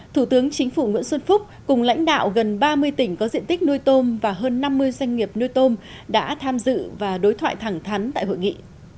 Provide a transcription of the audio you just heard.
thủ tướng chính phủ nguyễn xuân phúc cùng lãnh đạo gần ba mươi tỉnh có diện tích nuôi tôm và hơn năm mươi doanh nghiệp nuôi tôm đã tham dự và đối thoại thẳng thắn tại hội nghị